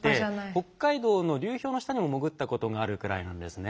北海道の流氷の下にも潜ったことがあるくらいなんですね。